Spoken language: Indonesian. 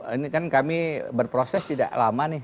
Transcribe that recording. ini kan kami berproses tidak lama nih